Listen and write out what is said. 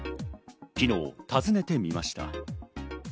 昨日、訪ねてみました。